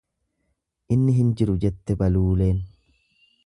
Inni hin jiru jette Baluuleen.